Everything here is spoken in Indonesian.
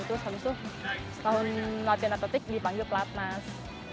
terus habis itu setahun latihan atletik dipanggil pelatnas